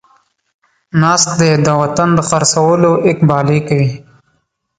ناست دی د وطن د خر څولو اقبالې کوي